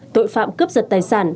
tội phạm cướp giật tài sản